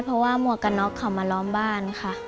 เพราะว่าหมวกกันน็อกเขามาล้อมบ้านค่ะ